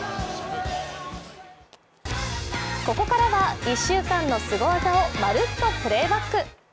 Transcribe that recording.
ここからは、１週間のすご技を「まるっと！Ｐｌａｙｂａｃｋ」。